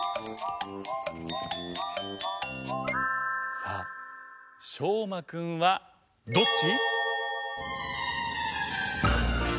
さあしょうまくんはどっち？